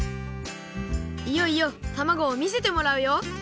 いよいよたまごをみせてもらうよ